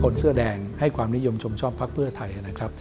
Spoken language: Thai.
คนเสื้อแดงให้ความนิยมชมชอบภักดิ์เพื่อไทย